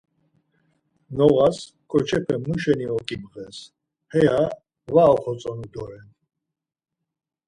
Noğas ǩoçepe muşeni oǩibğes heya var oxotzonu doren.